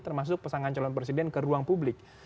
termasuk pasangan calon presiden ke ruang publik